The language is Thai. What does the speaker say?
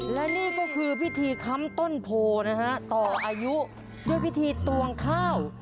และนี่ก็คือพิธีค้ำต้นโพนะฮะต่ออายุด้วยพิธีตวงข้าว